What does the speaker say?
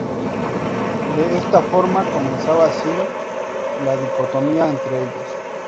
De esta forma, comenzaba así la dicotomía entre ellos.